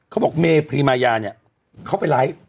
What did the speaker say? บอกเมพรีมายาเนี่ยเขาไปไลฟ์